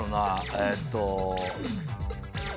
えっと。